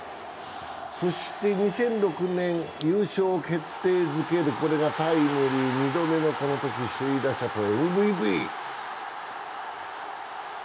そして２００６年、優勝を決定づける、これがタイムリー、２度目の首位打者とＭＶＰ。